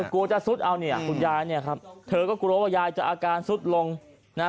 กลัวจะซุดเอาเนี่ยคุณยายเนี่ยครับเธอก็กลัวว่ายายจะอาการสุดลงนะฮะ